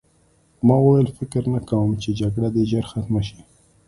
ما وویل فکر نه کوم چې جګړه دې ژر ختمه شي